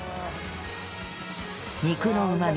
肉のうまみ